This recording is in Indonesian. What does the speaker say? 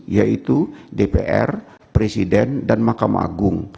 yaitu dpr presiden dan mahkamah agung